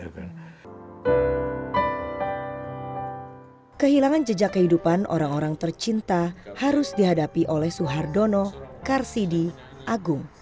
kehilangan jejak kehidupan orang orang tercinta harus dihadapi oleh suhardono karsidi agung